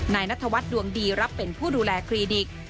นายนัทวัฒน์ดวงดีรับเป็นผู้ดูแลคลินิก